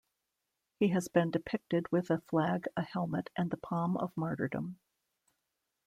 He has been depicted with a flag, a helmet and the palm of martyrdom.